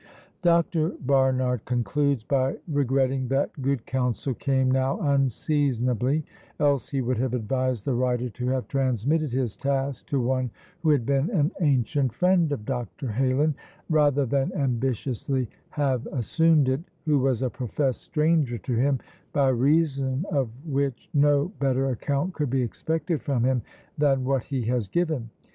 Dr. Barnard concludes by regretting that good counsel came now unseasonably, else he would have advised the writer to have transmitted his task to one who had been an ancient friend of Dr. Heylin, rather than ambitiously have assumed it, who was a professed stranger to him, by reason of which no better account could be expected from him than what he has given.